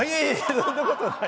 そんなことない。